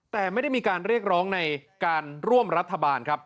แต่ไม่ได้มีการเรียกร้องในการร่วมรัฐบาลครับ